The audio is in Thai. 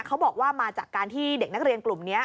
เขาบอกว่ามาจากการที่เด็กนักเรียนกลุ่มนี้